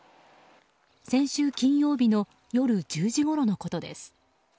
先週金曜日の夜１０時ごろのことです。